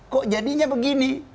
kok jadinya begini